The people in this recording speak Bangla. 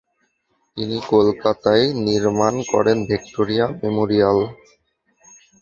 তিনি কলকাতায় নির্মাণ করেন ‘ভিক্টোরিয়া মেমোরিয়াল’।